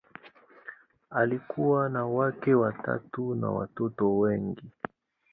Alikuwa na wake watatu na watoto wengi.